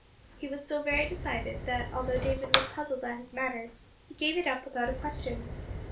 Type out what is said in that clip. He was so very decided that although David was puzzled at his manner, he gave it up without a question.